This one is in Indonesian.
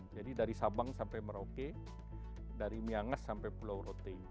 jadi dari sabang sampai merauke dari miangas sampai pulau rote